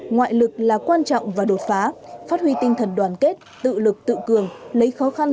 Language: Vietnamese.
ngoại lực là quan trọng và đột phá phát huy tinh thần đoàn kết tự lực tự cường lấy khó khăn